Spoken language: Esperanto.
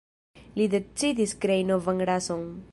Li decidis krei novan rason.